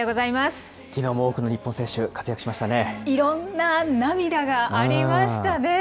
きのうも多くの日本選手、活いろんな涙がありましたね。